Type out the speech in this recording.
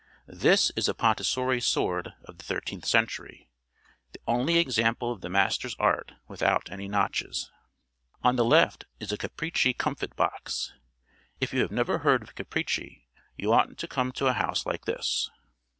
This is a Pontesiori sword of the thirteenth century the only example of the master's art without any notches. On the left is a Capricci comfit box. If you have never heard of Capricci, you oughtn't to come to a house like this.